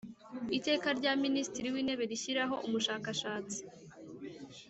Iteka rya Minisitiri w Intebe rishyiraho Umushakashatsi